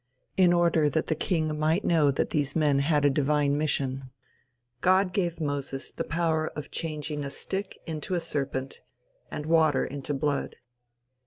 In order that the king might know that these men had a divine mission, God gave Moses the power of changing a stick into a serpent, and water into blood.